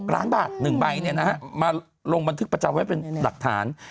ล้านบาท๑ใบมาลงบันทึกประจำไว้เป็นหลักฐาน